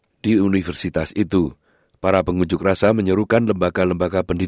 jadi kemudian mereka juga meminta para pemimpin australia atas apa yang disebutnya sebagai tidakkan performatif